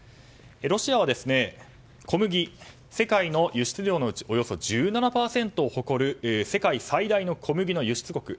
ロシアは小麦が世界の輸出量のうちおよそ１７％を誇る世界最大の小麦の輸出国。